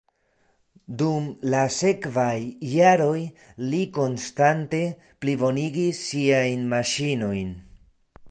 Dum la sekvaj jaroj li konstante plibonigis siajn maŝinojn.